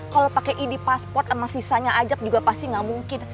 kalau pakai ed pasport sama visanya ajak juga pasti nggak mungkin